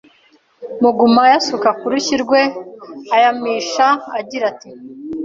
mu gauma ayasuka ku rushyi rwe ayamishaho agira ati